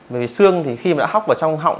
bởi vì xương khi đã hóc vào trong hỏng